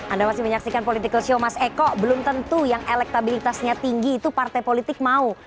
anda masih menyaksikan political show mas eko belum tentu yang elektabilitasnya tinggi itu partai politik mau